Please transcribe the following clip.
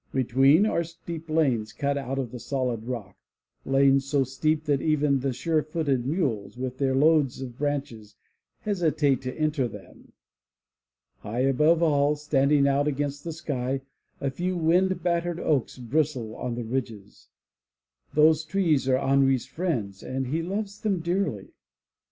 Between, are steep lanes cut out of the solid rock, lanes so steep that even the sure footed mules, with their loads of branches, hesitate to enter them. High above all, standing out against the sky, a few wind battered oaks bristle on the ridges. Those trees are Henri's friends and he loves them dearly.